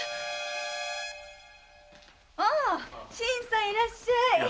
新さんいらっしゃい！